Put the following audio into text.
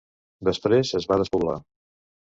Després es va despoblar.